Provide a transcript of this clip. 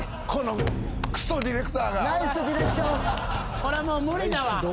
こらもう無理だわ。